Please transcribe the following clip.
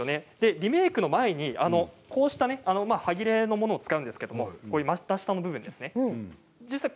リメークする前にこうした端切れのものを使うんですがこれは股下の部分ですね。